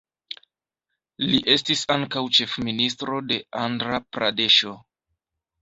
Li estis ankaŭ ĉefministro de Andra-Pradeŝo.